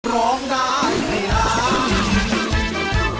ร้องได้ให้ล้าน